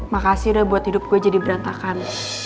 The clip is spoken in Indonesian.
makasih udah buat hidup gue jadi berantakan